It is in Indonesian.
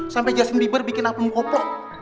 sampe justin bieber bikin aku ngoplo